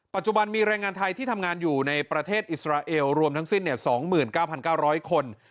ปัจจุบันมีแรงงานไทยที่ทำงานอยู่ในประเทศอิสราเอลรวมทั้งสิ้น๒๙๙๐๐คน